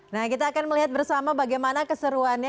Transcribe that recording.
nah kita akan melihat bersama bagaimana keseruannya